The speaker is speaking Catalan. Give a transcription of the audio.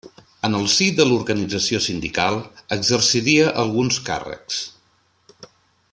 En el si de l'Organització Sindical exerciria alguns càrrecs.